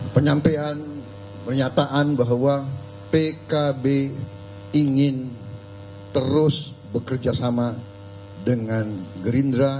penyampaian pernyataan bahwa pkb ingin terus bekerja sama dengan gerindra